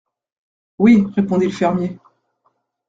Oui, répondit le fermier.